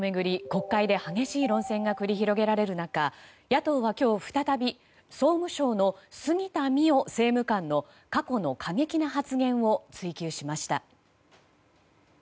国会で激しい論戦が繰り広げられる中野党は今日、再び総務省の杉田水脈政務官の、過去の過激な発言を追及しました。